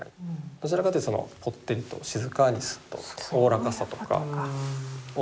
どちらかというとぽってりと静かにおおらかさとか大きさとか。